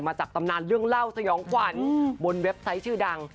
จากตำนานเรื่องเล่าสยองขวัญบนเว็บไซต์ชื่อดัง